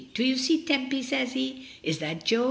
"Do you see Tempy?" says he. "Is that Jo?"